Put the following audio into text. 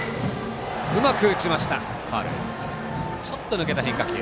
ちょっと抜けた変化球。